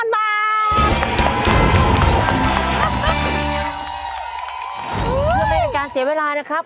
อย่าเป็นการเสียเวลานะครับ